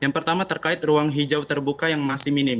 yang pertama terkait ruang hijau terbuka yang masih minim